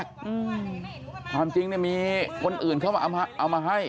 อืมความจริงเนี่ยมีคนอื่นเข้ามาเอามาให้